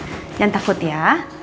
jangan takut ya